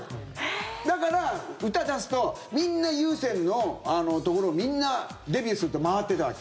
だから、歌出すとみんな、ＵＳＥＮのところみんな、デビューするって回ってたわけ。